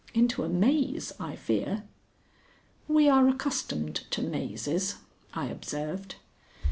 Into a maze, I fear." "We are accustomed to mazes," I observed.